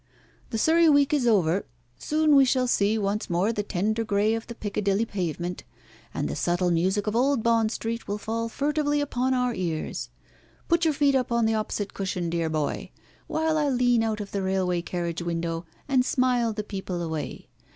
The Surrey week is over. Soon we shall see once more the tender grey of the Piccadilly pavement, and the subtle music of old Bond Street will fall furtively upon our ears. Put your feet up on the opposite cushion, dear boy; while I lean out of the railway carriage window and smile the people away.